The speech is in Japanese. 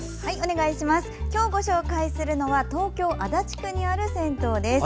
今日ご紹介するのは東京・足立区にある銭湯です。